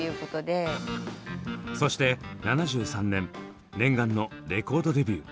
そして７３年念願のレコードデビュー。